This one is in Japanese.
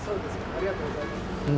ありがとうございます。